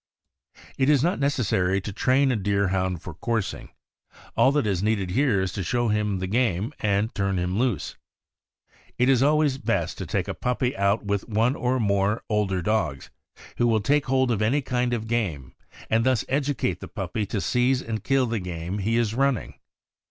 It is not necessary to train a Deerhound for coursing. All that is needed here is to show him the game and turn him loose. It is always best to take a puppy out with one or more older dogs, who will take hold oi any kind of .game, and thus educate the puppy to seize and kill the game he is running.